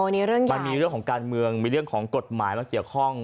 มันมีเรื่องของการเมืองมีเรื่องของกฎหมายมาเกี่ยวข้อง